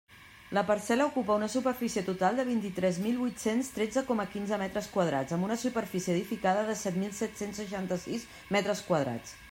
La parcel·la ocupa una superfície total de vint-i-tres mil huit-cents tretze coma quinze metres quadrats amb una superfície edificada de set mil set-cents seixanta-sis metres quadrats.